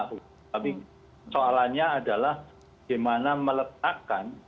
tapi soalannya adalah bagaimana meletakkan